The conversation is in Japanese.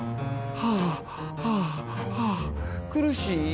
はあはあはあくるしい！